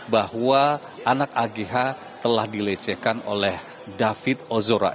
bahwa anak agh telah dilecehkan oleh david ozora